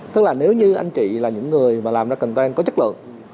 tức là nếu như anh chị là những người mà làm ra container có chất lượng